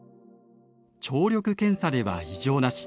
聴力検査では異常なし。